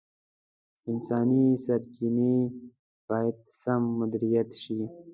انساني سرچیني باید سم مدیریت شي.